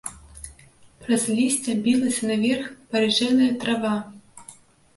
Праз лісце білася наверх парыжэлая трава.